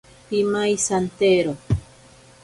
Pimaisantero.